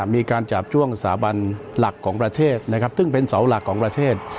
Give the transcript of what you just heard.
มีการจาบจ้วงสถาบันหลักของประเทศนะครับซึ่งเป็นเสาหลักของประเทศ